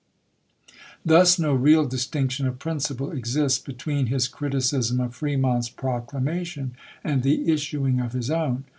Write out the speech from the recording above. Thus no real distinction of principle exists be tween his criticism of Fremont's proclamation and the issuing of his own.